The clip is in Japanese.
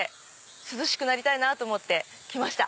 涼しくなりたいと思って来ました。